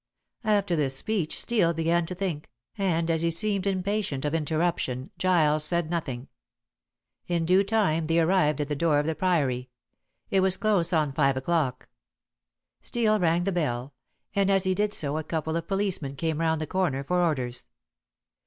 After this speech Steel began to think, and as he seemed impatient of interruption, Giles said nothing. In due time they arrived at the door of the Priory. It was close on five o'clock. Steel rang the bell, and as he did so a couple of policemen came round the corner for orders.